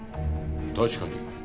確かに。